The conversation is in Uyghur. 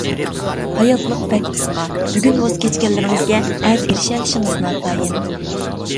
ھاياتلىق بەك قىسقا، بۈگۈن ۋاز كەچكەنلىرىڭىزگە ئەتە ئېرىشەلىشىڭىز ناتايىن.